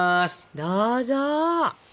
どうぞ！